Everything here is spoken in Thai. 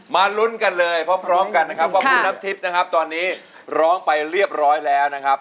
ลุ้นกันเลยพร้อมกันนะครับขอบคุณน้ำทิพย์นะครับตอนนี้ร้องไปเรียบร้อยแล้วนะครับ